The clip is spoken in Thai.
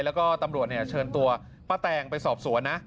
แล้วก็ตำรวจเชิญตัวป้าแตงไปสอบสวนนะ